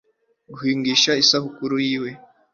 guhingisha isuka keretse inkonzo gusa.